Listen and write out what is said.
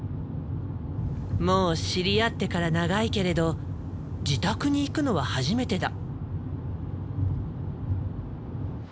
もう知り合ってから長いけれど自宅に行くのは初めてだ。